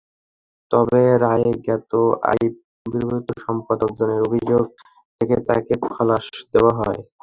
তবে রায়ে জ্ঞাত আয়বহির্ভূত সম্পদ অর্জনের অভিযোগ থেকে তাঁকে খালাস দেওয়া হয়।